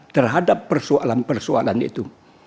terhadap persoalan persoalan itu